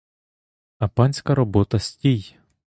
А панська робота стій!